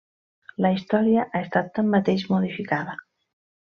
La història ha estat tanmateix modificada.